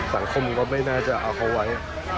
สังคมก็ไม่น่าจะเอาเขาไว้